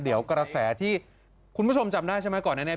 เดี๋ยวกระแสที่คุณผู้ชมจำได้ใช่ไหมก่อนนั้นเนี่ย